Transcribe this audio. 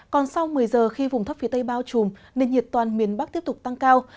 còn sau một mươi giờ khi vùng thấp phía tây bao trùm nền nhiệt toàn miền bắc tiếp tục tăng cao